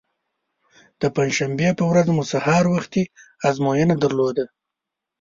د پنجشنبې په ورځ مو سهار وختي ازموینه درلوده.